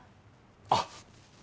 あっ！